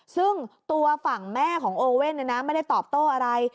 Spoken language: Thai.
ซึ่งตัวฝั่งแม่ของโอเว่นไม่ได้ตอบโต้อะไร